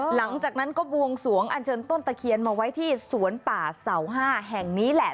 หลังจากนั้นก็บวงสวงอันเชิญต้นตะเคียนมาไว้ที่สวนป่าเสาห้าแห่งนี้แหละ